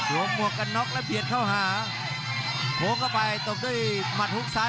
หมวกกันน็อกแล้วเบียดเข้าหาโค้งเข้าไปตบด้วยหมัดฮุกซ้าย